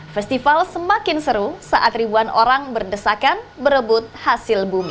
festival semakin seru saat ribuan orang berdesakan berebut hasil bumi